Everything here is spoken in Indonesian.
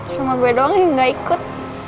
sama gue doang yang gak ikut